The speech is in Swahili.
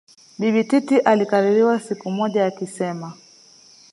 Bibi Titi alikaririwa siku moja akisema